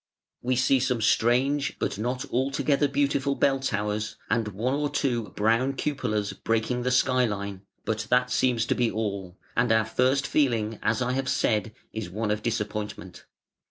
We see some strange but not altogether beautiful bell towers and one or two brown cupolas breaking the sky line, but that seems to be all, and our first feeling as I have said, is one of disappointment.